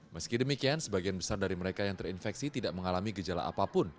meski demikian sebagian besar dari mereka yang terinfeksi tidak mengalami gejala apapun